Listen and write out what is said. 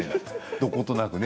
どことなく。